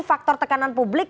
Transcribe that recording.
faktor tekanan publik